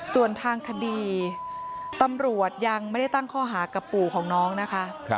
ส่วนทางคดีตำรวจยังไม่ได้ตั้งข้อหากับปู่ของน้องนะคะ